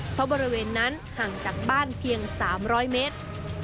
เพราะบริเวณนั้นห่างจากบ้านเพียง๓๐๐เมตร